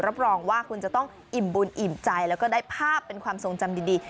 รับรองว่าคุณจะต้องอิ่มบุญอิ่มใจแล้วก็ได้ภาพเป็นความทรงจำดี